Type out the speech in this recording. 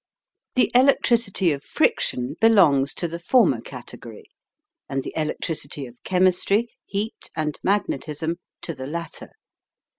The electricity of friction belongs to the former category, and the electricity of chemistry, heat, and magnetism to the latter.